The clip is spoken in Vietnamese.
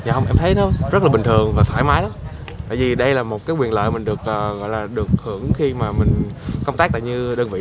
dạ hôm em thấy nó rất là bình thường và thoải mái tại vì đây là một cái quyền lợi mình được gọi là được hưởng khi mà mình công tác tại như đơn vị